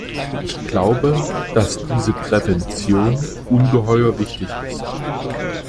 Ich glaube, dass diese Prävention ungeheuer wichtig ist.